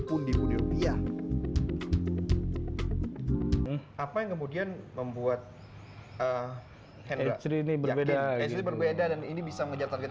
pun di dunia rupiah apa yang kemudian membuat eh ini berbeda beda dan ini bisa mengejar target